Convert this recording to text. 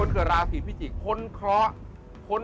ในการนำชมสถานที่แล้วก็เล่าเรื่องราวต่างประวัติต่างหน่อย